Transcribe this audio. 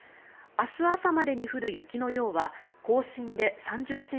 明日朝までに降る雪の量は甲信で３０ｃｍ